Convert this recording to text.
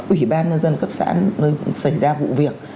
ủy ban nhân dân cấp xã nơi xảy ra vụ việc